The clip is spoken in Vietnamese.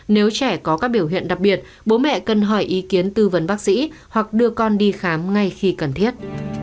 nếu trẻ có các biểu hiện đặc biệt bố mẹ cần hỏi ý kiến tư vấn bác sĩ hoặc đưa con đi khám ngay khi cần thiết